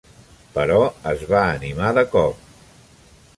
Però es va animar de cop.